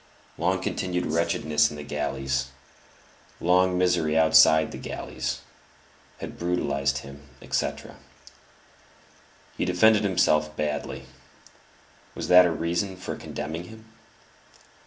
Long continued wretchedness in the galleys, long misery outside the galleys, had brutalized him, etc. He defended himself badly; was that a reason for condemning him?